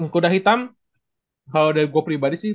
kuda hitam kalo dari gua pribadi sih